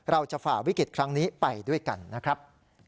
ฝ่าวิกฤตครั้งนี้ไปด้วยกันนะครับ